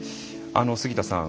杉田さん